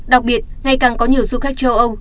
đặc biệt ngày càng có nhiều du khách châu âu